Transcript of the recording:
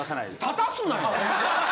・たたすなよ！